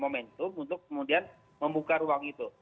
momentum untuk kemudian membuka ruang itu